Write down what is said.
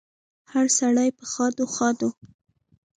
هره سړی په ښادو، ښادو